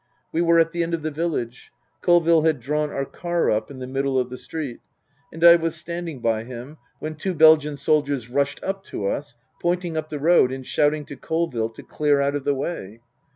We were at the end of the village. Colville had drawn our car up in the middle of the street, and I was standing by him, when two Belgian soldiers rushed up to us, pointing up the road, and shouting to Colville to clear out of the way.